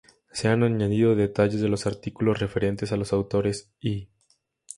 Se han añadido detalles de los artículos referentes a los autores y:"